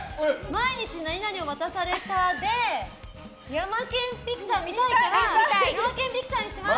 毎日、何々を渡されたでヤマケン・ピクチャー見たいからヤマケン・ピクチャーにします！